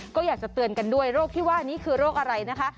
ก็อยากจะเตือนกันด้วยโรคที่ว่านี้คือโรคอะไรนะคะ